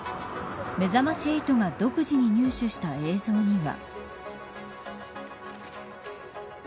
めざまし８が独自に入手した映像には。